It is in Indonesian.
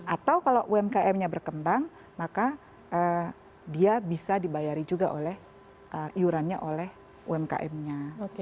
atau kalau umkmnya berkembang maka dia bisa dibayari juga iurannya oleh umkmnya